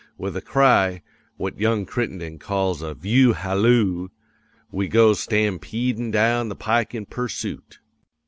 With a cry what young Crittenden calls a "view halloo," we goes stampeedin' down the pike in pursoot.